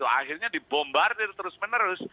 akhirnya dibombardir terus menerus